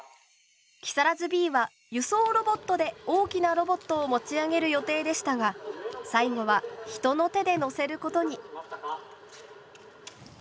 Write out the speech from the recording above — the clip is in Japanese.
木更津Ｂは輸送ロボットで大きなロボットを持ち上げる予定でしたが最後は人の手でのせることに。